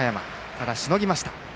ただしのぎました。